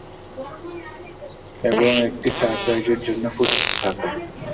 এবং একটি সারপ্রাইজ এর জন্য প্রস্তুত থাক।